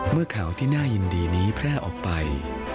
เมื่อข่าวที่น่ายินดีนี้แพร่ออกไป